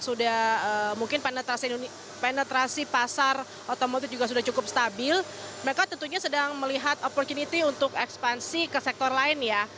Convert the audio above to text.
sudah mungkin penetrasi pasar otomotif juga sudah cukup stabil mereka tentunya sedang melihat opportunity untuk ekspansi ke sektor lain ya